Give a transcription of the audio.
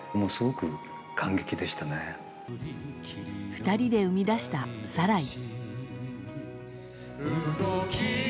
２人で生み出した「サライ」。